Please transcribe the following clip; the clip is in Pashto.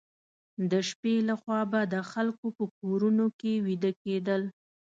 د شپې لخوا به د خلکو په کورونو کې ویده کېدل.